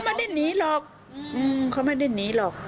ไม่ได้หนีหรอกเขาไม่ได้หนีหรอก